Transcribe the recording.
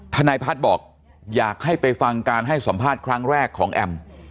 ทนายพัฒน์บอกอยากให้ไปฟังการให้สัมภาษณ์ครั้งแรกของแอม